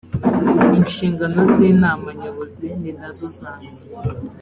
inshingano z inama nyobozi ninazo zanjye.